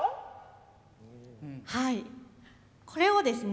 はいこれをですね